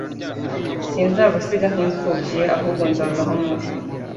Sinzabasiga nk'imfubyi, ahubwo nzaza aho muri."